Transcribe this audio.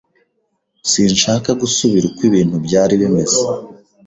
Sinshaka gusubira uko ibintu byari bimeze.